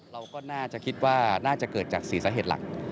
เราก็น่าจะคิดว่าน่าจะเกิดจาก๔สาเหตุหลัก